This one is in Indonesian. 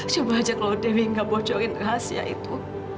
coba ajak lo dewi nggak bocorin rahasia itu